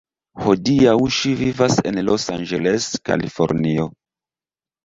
Hodiaŭ ŝi vivas en Los Angeles, Kalifornio.